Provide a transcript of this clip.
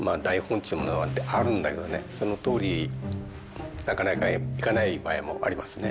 そのとおりなかなかいかない場合もありますね。